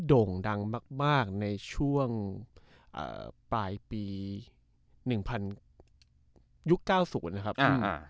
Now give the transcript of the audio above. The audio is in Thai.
โด่งดังมากมากในช่วงอ่าปลายปีหนึ่งพันยุคเก้าศูนย์นะครับอ่า